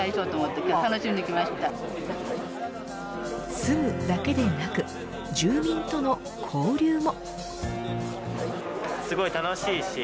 住むだけでなく住民との交流も。